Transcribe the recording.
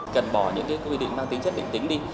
cần bỏ những quy định mang tính chất định tính đi